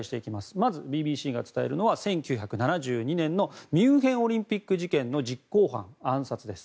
まず、ＢＢＣが伝えるのは１９７２年のミュンヘンオリンピック事件の実行犯暗殺です。